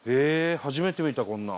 初めて見たこんなの。